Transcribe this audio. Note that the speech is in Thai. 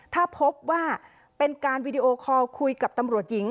ถ้าพบว่าเป็นการวีดีโอคอลคุยกับตำรวจหญิง